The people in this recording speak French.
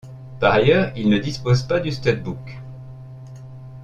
Par ailleurs, il ne dispose pas de stud-book.